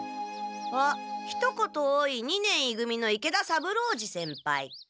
あひと言多い二年い組の池田三郎次先輩。